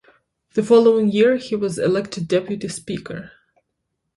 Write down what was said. The following year he was elected Deputy Speaker.